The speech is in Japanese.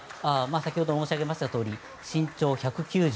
先ほど申し上げましたとおり身長１９０。